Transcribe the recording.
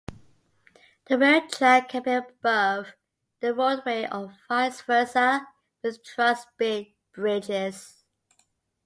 The rail track can be above the roadway or vice versa with truss bridges.